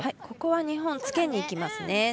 ここは日本つけにきますね。